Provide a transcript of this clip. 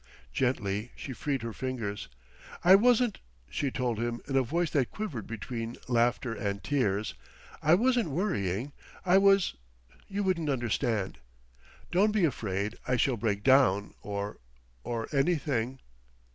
Gently she freed her fingers. "I wasn't," she told him in a voice that quivered between laughter and tears, "I wasn't worrying. I was ... You wouldn't understand. Don't be afraid I shall break down or or anything."